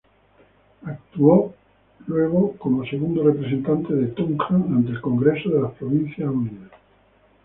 Actuó luego como segundo representante de Tunja ante el Congreso de las Provincias Unidas.